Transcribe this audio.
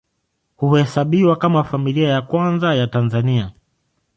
Huhesabiwa kama Familia ya Kwanza ya Tanzania.